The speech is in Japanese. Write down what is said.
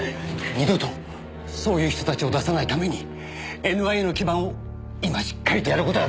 二度とそういう人たちを出さないためにＮＩＡの基盤を今しっかりとやる事が大事なんだ。